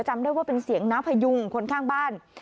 จำได้ว่าเป็นเสียงน้าพยุงคนข้างบ้าน